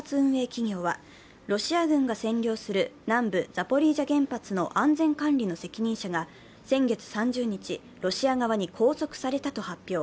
企業は、ロシア軍が占領する南部のザポリージャ原発の安全管理の責任者が先月３０日、ロシア側に拘束されたと発表。